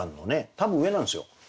多分上なんですよ。